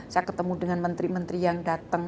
saya ketemu dengan menteri menteri yang datang